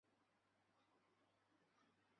父亲许杏泉在一战前为德华银行买办。